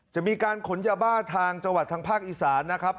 จะมีการขนยาบ้าทางจังหวัดทางภาคอีสานนะครับ